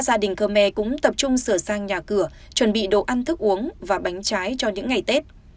gia đình khơ me cũng tập trung sửa sang nhà cửa chuẩn bị đồ ăn thức uống và bánh trái cho những ngày tết